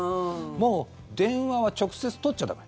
もう電話は直接取っちゃ駄目。